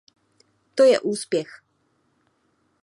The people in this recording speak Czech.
To je úspěch.